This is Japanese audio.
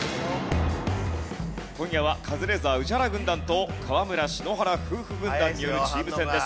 今夜はカズレーザー＆宇治原軍団と河村＆篠原夫婦軍団によるチーム戦です。